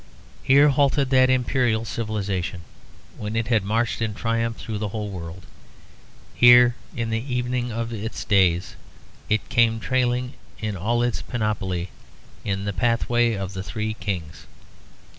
Here halted that imperial civilisation, when it had marched in triumph through the whole world; here in the evening of its days it came trailing in all its panoply in the pathway of the three kings.